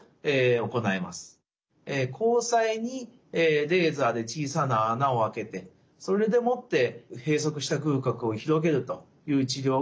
光彩にレーザーで小さな穴を開けてそれでもって閉塞した隅角を広げるという治療が行われます。